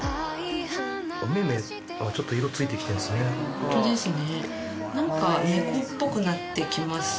ホントですね。